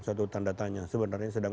suatu tanda tanya sebenarnya sedang